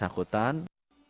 kita lihat di sini